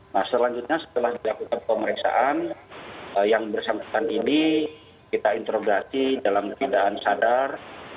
nah selanjutnya setelah dilakukan pemeriksaan yang bersangkutan ini kita interogasi dalam keadaan sadar